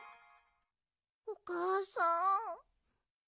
おかあさん。